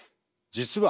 実は。